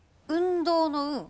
運動の「運」。